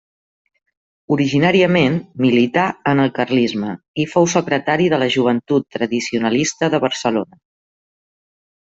Originàriament milità en el carlisme i fou secretari de la Joventut Tradicionalista de Barcelona.